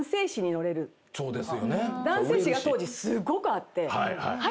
男性誌が当時すごくあって。